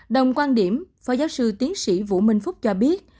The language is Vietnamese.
đồng quan điểm phó giáo sư tiến sĩ vũ minh phúc cho biết